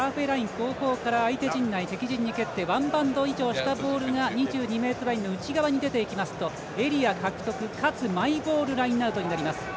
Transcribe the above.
ハーフウェーライン後方から相手陣内敵陣に蹴ってワンバウンド以上したボールが２２ｍラインに出ていきますとエリア獲得かつマイボールラインアウトになります。